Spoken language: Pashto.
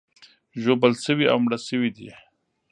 ژوبل شوي او مړه شوي دي.